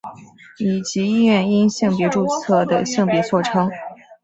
以及医院因性别注记的性别错称。